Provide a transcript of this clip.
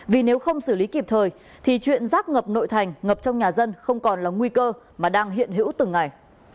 vì nếu không xử lý kịp thời thì chuyện rác ngập nội thành ngập trong nhà dân không còn là nguy cơ mà đang hiện hữu từng ngày